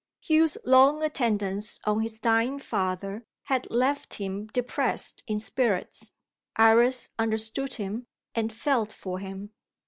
Hugh's long attendance on his dying father had left him depressed in spirits; Iris understood him, and felt for him.